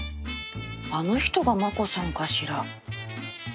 あの人がマコさんかしら？